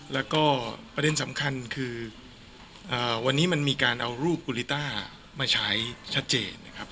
แล้วก็ประเด็นสำคัญคือวันนี้มันมีการเอารูปกูลิต้ามาใช้ชัดเจนนะครับ